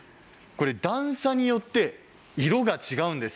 段差によって色が違うんです。